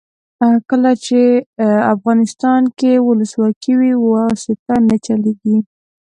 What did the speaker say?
کله چې افغانستان کې ولسواکي وي واسطه نه چلیږي.